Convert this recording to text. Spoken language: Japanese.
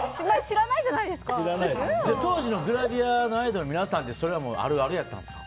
当時のグラビアのアイドルの皆さんでそれはあるあるやったんですか？